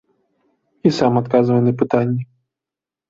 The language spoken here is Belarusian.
І сам адказвае на пытанні.